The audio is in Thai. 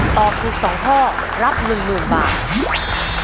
ตอบถูกสองข้อรับหนึ่งหนึ่งบาท